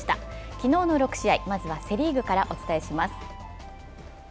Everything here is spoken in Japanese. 昨日の６試合、まずはセ・リーグからお伝えします。